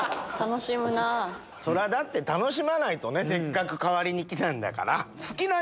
だって楽しまないとねせっかく代わりに来たんだから。